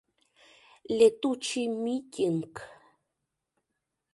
Летучий митинг...